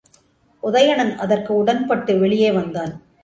உதயணன் அதற்கு உடன்பட்டு வெளியே வந்தான்.